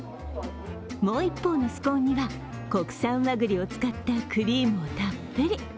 もう一方のスコーンには国産和栗を使ったクリームをたっぷり。